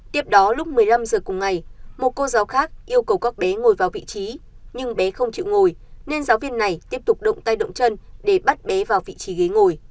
tiếp đó lúc một mươi năm h cùng ngày một cô giáo khác yêu cầu các bé ngồi vào vị trí nhưng bé không chịu ngồi nên giáo viên này tiếp tục động tay động chân để bắt bé vào vị trí ghế ngồi